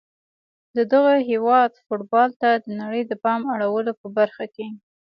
د دغه هیواد فوتبال ته د نړۍ د پام اړولو په برخه کې